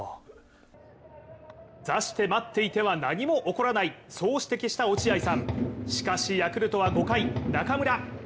座して待っていては何も起こらない、そう指摘した落合さん、しかしヤクルトは５回、中村。